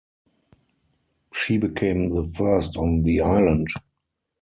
She became the first on the island.